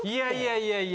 いやいや。